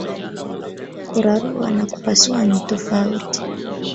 Kurarua na kupasua ntofauti